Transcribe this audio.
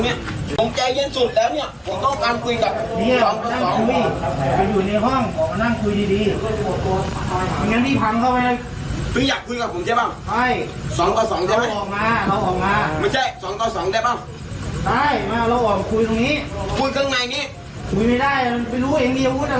ไม่มาเราออกมาคุยตรงนี้พูดข้างในนี้คุยไม่ได้มันไม่รู้เองมีอาวุธอ่ะ